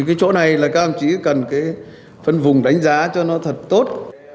cái chỗ này là các ông chỉ cần phân vùng đánh giá cho nó thật tốt